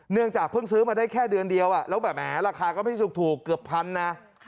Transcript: จากเพิ่งซื้อมาได้แค่เดือนเดียวแล้วแบบแหราคาก็ไม่ถูกเกือบพันนะ